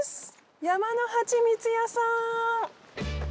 山のはちみつ屋さん！